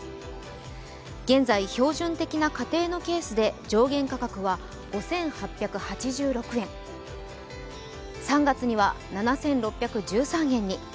現在、標準的な家庭のケースで上限価格で５８８６円３月には７６１３円に。